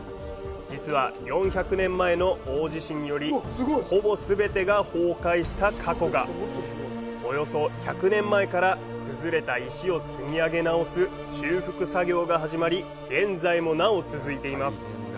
実は、４００年前の大地震によりほぼ全てが崩壊した過去がおよそ１００年前から崩れた石を積み上げ直す修復作業が始まり現在もなお続いています。